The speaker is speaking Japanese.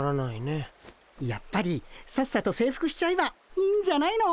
やっぱりさっさと征服しちゃえばいいんじゃないの。